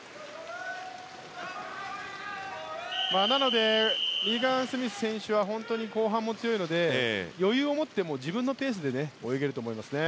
なのでリーガン・スミス選手は後半も強いので余裕をもって自分のペースで泳げると思いますね。